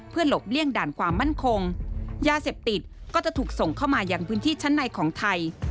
หลบเลี่ยงด่านความมั่นคงยาเสพติดก็จะถูกส่งเข้ามาอย่างพื้นที่ชั้นในของไทย